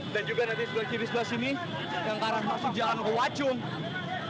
dan juga tadi sebelah kiri sebelah sini yang ke arah masuk jalan ke wacung